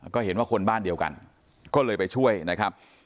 ก็เห็นว่าคนบ้านเดียวกันก็เลยไปช่วยนะครับ